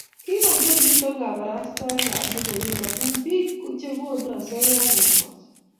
Kikongem nito koborostoikab logoiwek amu bik chekonu osoya agokoch